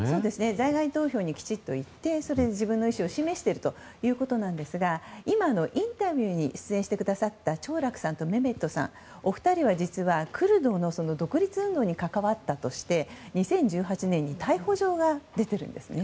在外投票にきちっと行ってそれで自分の意思を示しているんですがインタビューに出演してくださったチョーラクさんとメメットさんのお二人は実はクルドの独立運動に関わったとして２０１８年に逮捕状が出ているんですね。